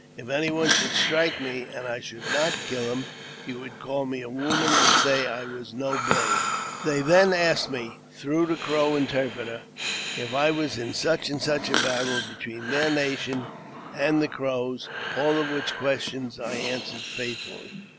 If any one should strike me, and I should not kill him, you would call me a woman, and say I was no brave." 356 AUTOBIOGBAPHY OF They then asked me, through the Crow interpreter, if I was in such and such a battle between their nation and the Crows, all of which questions I answered truthfully.